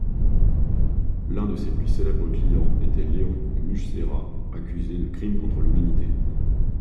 L'un de ses plus célèbres clients était Léon Mugesera, accusé de crimes contre l'humanité.